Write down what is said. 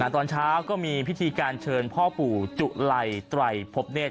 ตอนเช้าก็มีพิธีการเชิญพ่อปู่จุลัยไตรพบเนธ